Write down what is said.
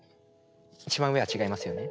一番上は違いますよね？